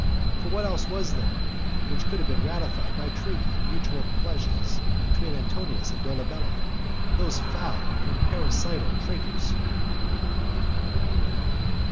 For what else was there which could have been ratified by treaty and mutual pledges between Antonius and Dolabella, those foul and parricidal traitors?